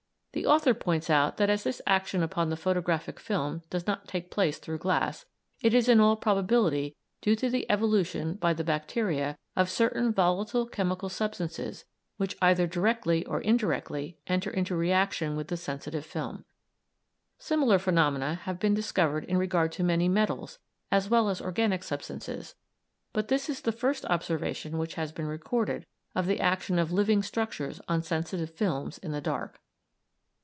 The author points out that as this action upon the photographic film does not take place through glass, it is in all probability due to the evolution by the bacteria of certain volatile chemical substances which either directly or indirectly enter into reaction with the sensitive film. Similar phenomena have been discovered in regard to many metals as well as organic substances, but this is the first observation which has been recorded of the action of living structures on sensitive films in the dark.